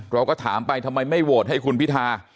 เราก็ถามไปทำไมไม่โหวตให้คุณพิธา